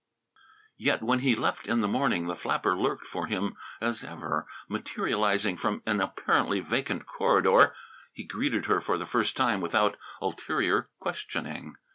Yet when he left in the morning the flapper lurked for him as ever, materializing from an apparently vacant corridor. He greeted her for the first time without ulterior questioning.